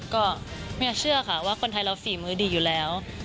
ก็ไม่อยากเชื่อค่ะว่าคนไทยเราฝีมือดีอยู่แล้ว